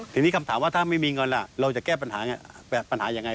ทีนี้คำถามว่าถ้าไม่มีเงินเราจะแก้ปัญหายังไง